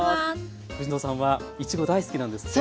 藤野さんはいちご大好きなんですって？